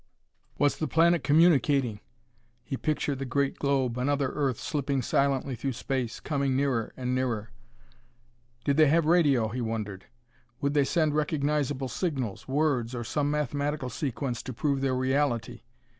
"Was the planet communicating?" he pictured the great globe another Earth slipping silently through space, coming nearer and nearer. Did they have radio? he wondered. Would they send recognizable signals words or some mathematical sequence to prove their reality?